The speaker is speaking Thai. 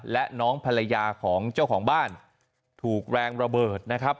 และน้องภรรยาของเจ้าของบ้านถูกแรงระเบิดนะครับ